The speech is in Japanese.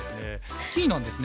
スキーなんですね。